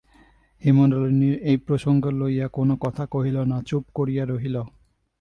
হেমনলিনী এই প্রসঙ্গ লইয়া কোনো কথা কহিল না, চুপ করিয়া রহিল।